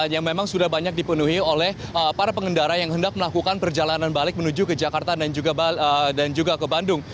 yang memang sudah banyak dipenuhi oleh para pengendara yang hendak melakukan perjalanan balik menuju ke jakarta dan juga ke bandung